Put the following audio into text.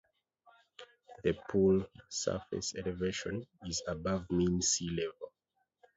The pool surface elevation is above mean sea level.